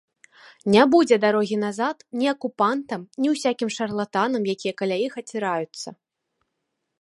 Не будзе дарогі назад ні акупантам, ні ўсякім шарлатанам, якія каля іх аціраюцца!